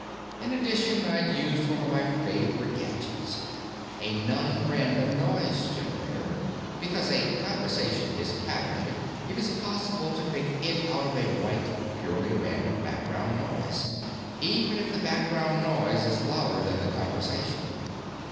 In addition, I'd used one of my favorite gadgets: a non random noise generator. Because a conversation is patterned, it is possible to pick it out of a "white," purely random background noise, even if the background is louder than the conversation.